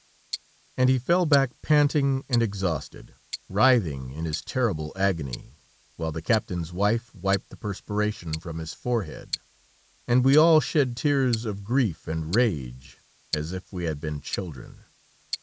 and he fell back panting and exhausted, writhing in his terrible agony, while the captain's wife wiped the perspiration from his forehead, and we all shed tears of grief and rage, as if we had been children.